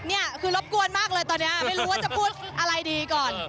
นี่คือรบกวนมากเลยตอนนี้ไม่รู้ว่าจะพูดอะไรดีก่อน